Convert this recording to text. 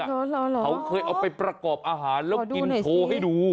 เขาเคยเอาไปประกอบอาหารแล้วกินโชว์ให้ดู